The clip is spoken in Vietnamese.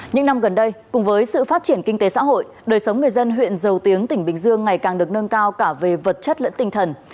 những năm gần đây cùng với sự phát triển kinh tế xã hội đời sống người dân huyện dầu tiếng tỉnh bình dương ngày càng được nâng cao cả về vật chất lẫn tinh thần